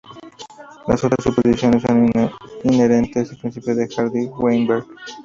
Las otras suposiciones son inherentes al principio de Hardy-Weinberg.